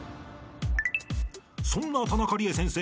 ［そんな田中理恵先生